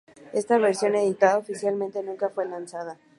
Esta versión editada oficialmente nunca fue lanzada.